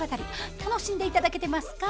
楽しんで頂けてますか？